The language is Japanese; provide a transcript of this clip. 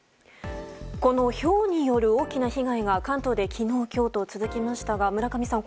このひょうによる大きな被害が関東で昨日、今日と続きましたが村上さん